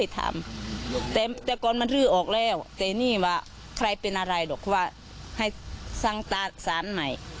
แต่นี่ว่าใครเป็นอะไรหรอกว่าให้สั่งสารใหม่